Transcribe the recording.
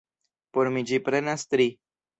Por mi ĝi prenas tri.